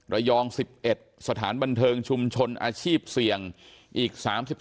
ระยอง๑๑สถานบันเทิงชุมชนอาชีพเสี่ยงอีก๓๒